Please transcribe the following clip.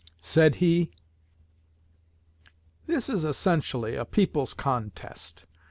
Said he: This is essentially a people's contest.